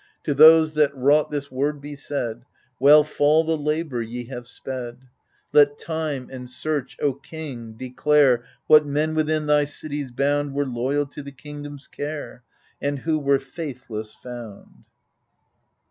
To those that wrought, this word be said — Well fall ike labour ye have sped — Let time and search, O king, declare What men within thy city's bound Were loyal to the kingdom's care. And who were faithless found.